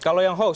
kalau yang hoax